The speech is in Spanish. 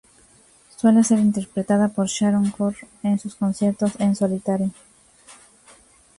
Suele ser interpretada por Sharon Corr en sus conciertos en solitario.